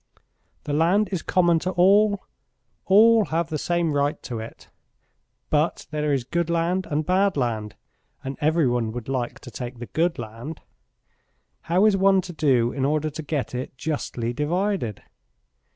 "The land is common to all. All have the same right to it, but there is good land and bad land, and every one would like to take the good land. How is one to do in order to get it justly divided?